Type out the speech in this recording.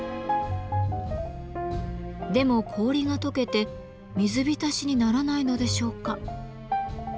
でも氷がとけて水浸しにならないのでしょうか？